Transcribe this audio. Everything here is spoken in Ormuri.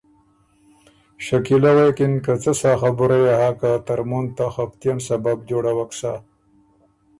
شکیلۀ غوېکِن که ”څه سا خبُره يې هۀ که ترمُن ته خپتئن سبب جوړَوَک سۀ“